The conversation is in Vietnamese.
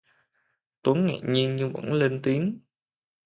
Tuấn ngạc nhiên nhưng vẫn lên tiếng